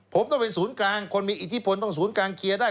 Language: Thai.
ผมต้องเป็นศูนย์กลางคนมีอิทธิพลต้องศูนย์กลางเคลียร์ได้